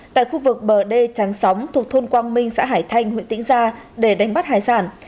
tại khu vực bờ đê trắng sóng thuộc thôn quang minh xã hải thay nguyễn tĩnh gia để đánh bắt hải sản